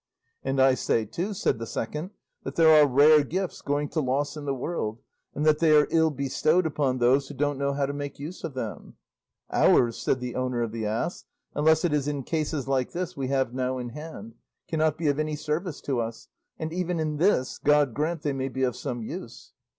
'And I say too,' said the second, 'that there are rare gifts going to loss in the world, and that they are ill bestowed upon those who don't know how to make use of them.' 'Ours,' said the owner of the ass, 'unless it is in cases like this we have now in hand, cannot be of any service to us, and even in this God grant they may be of some use.